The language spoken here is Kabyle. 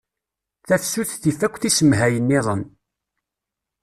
Tafsut tif akk tisemhay-nniḍen